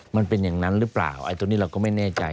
มันเป็นอย่างนั้นหรือเปล่าไอ้ตรงนี้เราก็ไม่แน่ใจ